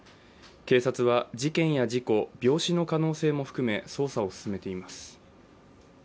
警察は事件や事故、病死の可能性も含め捜査を進めています。